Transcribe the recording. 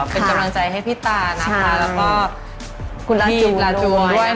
ขอเป็นกำลังใจให้พี่ตาแล้วก็คุณลาจูนที่สร้างหน่อยนะคะ